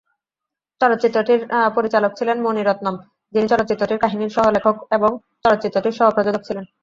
চলচ্চিত্রটির পরিচালক ছিলেন মণি রত্নম যিনি চলচ্চিত্রটির কাহিনীর সহ-লেখক এবং চলচ্চিত্রটির সহ-প্রযোজক ছিলেন।